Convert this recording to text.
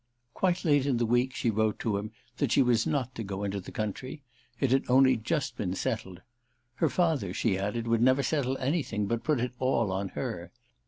Quite late in the week she wrote to him that she was not to go into the country—it had only just been settled. Her father, she added, would never settle anything, but put it all on her.